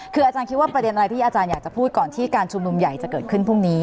คืออาจารย์คิดว่าประเด็นอะไรที่อาจารย์อยากจะพูดก่อนที่การชุมนุมใหญ่จะเกิดขึ้นพรุ่งนี้